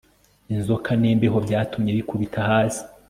Inzoka nimbeho byatumye bikubita hasi